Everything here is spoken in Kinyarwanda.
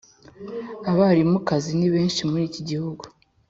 abarimukazi ni benshi muri ki gihugu